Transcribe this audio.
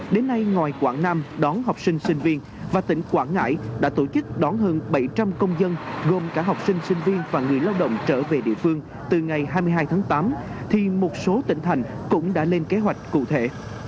đến nay ngoài quảng nam đón học sinh sinh viên và tỉnh quảng ngãi đã tổ chức đón hơn bảy trăm linh công dân gồm cả học sinh sinh viên và người lao động trở về địa phương từ ngày hai mươi hai tháng tám thì một số tỉnh thành cũng đã lên kế hoạch cụ thể